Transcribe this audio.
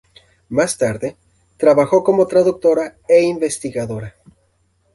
Más tarde, trabajó como traductora e investigadora.